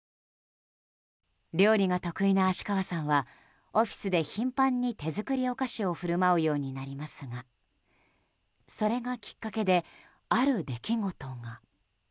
料理が得意な芦川さんはオフィスで頻繁に手作りお菓子を振る舞うようになりますがそれがきっかけである出来事が。